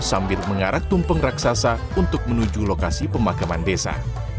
sambil mengarak tumpeng raksasa untuk menuju lokasi pemakaman desa